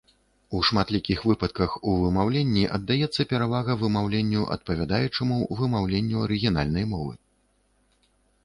У шматлікіх выпадках у вымаўленні аддаецца перавага вымаўленню адпавядаючаму вымаўленню арыгінальнай мовы.